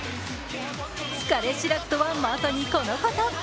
疲れ知らずとはまさにこのこと！